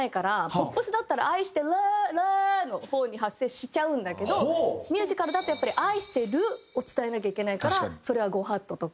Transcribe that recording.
ポップスだったら「愛してるー！」の「るー！」の方に発声しちゃうんだけどミュージカルだと「愛してる」を伝えなきゃいけないからそれはご法度とか。